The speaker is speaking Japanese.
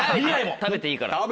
食べていいから。